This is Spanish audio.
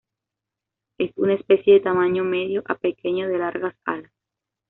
Es una especie de tamaño medio a pequeño, de largas alas.